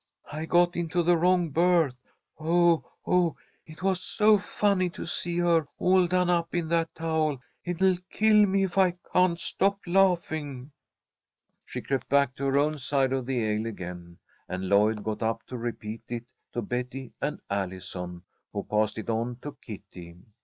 I got into the wrong berth. Oh! oh! It was so funny to see her, all done up in that towel. It'll kill me if I can't stop laughing." She crept back to her own side of the aisle again, and Lloyd got up to repeat it to Betty and Allison, who passed it on to Kitty.